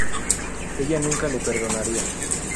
Ella nunca le perdonaría.